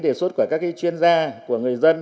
đề xuất của các chuyên gia của người dân